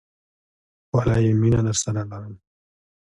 ښکلی یې، مینه درسره لرم